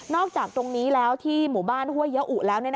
อกจากตรงนี้แล้วที่หมู่บ้านห้วยยะอุแล้ว